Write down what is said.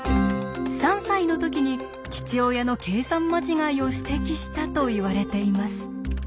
３歳の時に父親の計算間違いを指摘したといわれています。